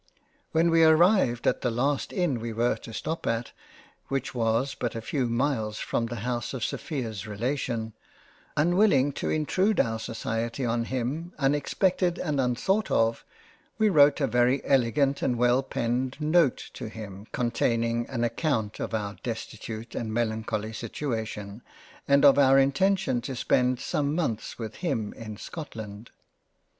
When we arrived at the last Inn we were to stop at, which was but a few miles from the House of Sophia's Relation, unwilling to intrude our Society on him unexpected and unthought of, we wrote a very elegant and well penned Note to him containing an account of our Destitute and melancholy Situation, and of our intention to spend some months with him in Scotland.